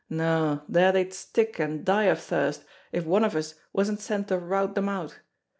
No, there they'd stick and die of thirst if one of us wasn't sent to rout them out.